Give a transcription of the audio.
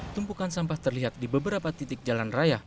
tumpukan sampah terlihat di beberapa titik jalan raya